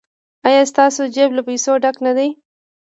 ایا ستاسو جیب له پیسو ډک نه دی؟